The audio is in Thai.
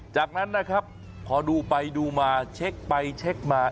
จากนั้นนะครับพอดูไปดูมาเช็คไปเช็คมา